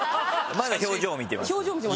まだ表情見てます。